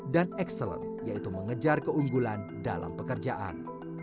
dan excellent yaitu mengejar keunggulan dalam pekerjaan